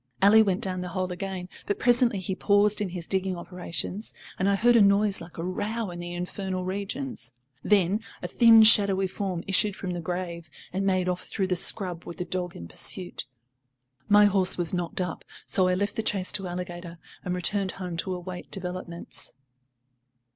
Ally went down the hole again, but presently he paused in his digging operations, and I heard a noise like a row in the infernal regions. Then a thin shadowy form issued from the grave and made off through the scrub with the dog in pursuit. My horse was knocked up, so I left the chase to Alligator and returned home to await developments.